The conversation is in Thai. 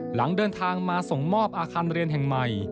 หลังเดินทางมาส่งมอบอาคารเรียนแห่งใหม่